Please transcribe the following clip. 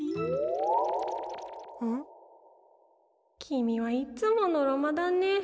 きみはいつものろまだね。